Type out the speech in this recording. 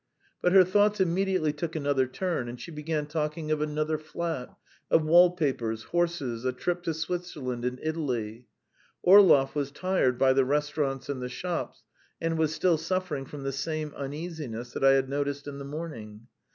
But her thoughts immediately took another turn, and she began talking of another flat, of wallpapers, horses, a trip to Switzerland and Italy. Orlov was tired by the restaurants and the shops, and was still suffering from the same uneasiness that I had noticed in the morning.